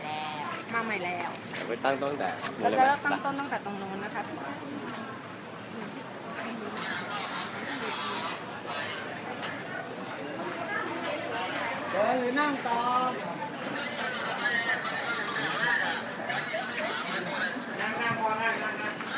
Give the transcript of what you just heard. หรืออาจจะเห็นพิษที่ไปรายงานสดอยู่ในสนามกีฬากับหนังสือพิมพ์เทศรัฐ